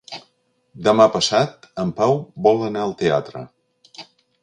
Demà passat en Pau vol anar al teatre.